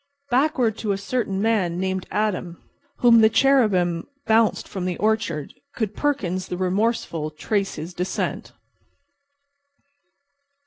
Backward to a certain man named Adam, whom the cherubim bounced from the orchard, could Perkins, the remorseful, trace his descent.